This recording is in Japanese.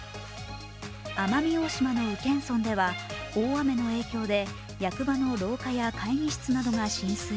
奄美大島の宇検村では大雨の影響で役場の廊下や会議室などが浸水。